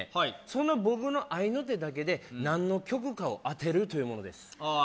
その僕の合いの手だけで何の曲かを当てるというものですああ